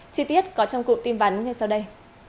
chi tiết có trong cụm tin vắn ngay sau đây